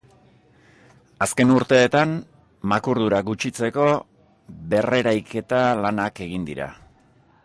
Azken urteetan, makurdura gutxitzeko berreraiketa lanak egin dira.